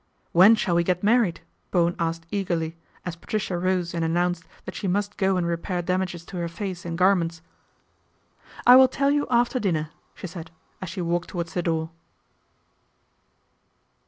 1 When shall we get married ?" Bowen asked eagerly, as Patricia rose and announced that she must go and repair damages to her face and gar ments. " I will tell you after dinner," she said as she walked towards the door.